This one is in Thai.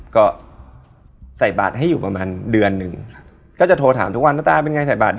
คืนนี้ไม่รอด